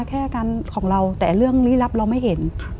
แค่อาการของเราแต่เรื่องลี้ลับเราไม่เห็น